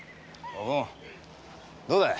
おぶんどうだい？